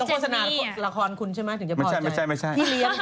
ต้องโฆษณาละครคุณใช่มั้ยถึงจะพอใจ